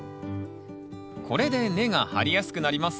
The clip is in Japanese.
これで根が張りやすくなります